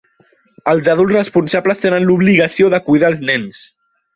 Els adults responsables tenen l'obligació de cuidar els nens.